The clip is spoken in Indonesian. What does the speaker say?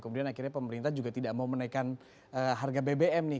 kemudian akhirnya pemerintah juga tidak mau menaikkan harga bbm nih